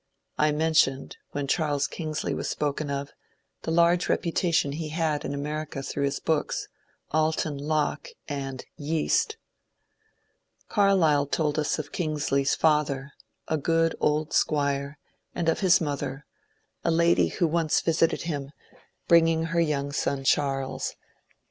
I mentioned, when Charles Kingsley was spoken of, the large reputation he had in Amer ica through his books, ^^ Alton Locke " and ^ Yeast." Car lyle told us of Kingsley's father, a good old squire, and of his mother, — a lady who once visited him, bringing her young son Charles.